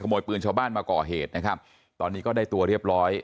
มวยปืนชาวบ้านมาก่อเหตุนะครับตอนนี้ก็ได้ตัวเรียบร้อย